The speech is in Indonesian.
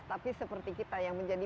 tapi seperti kita yang menjadi